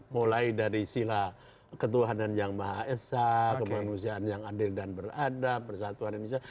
mulai dari sila ketuhanan yang maha esa kemanusiaan yang adil dan beradab persatuan indonesia